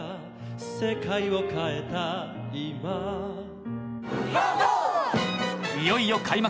世界を変えた今いよいよ開幕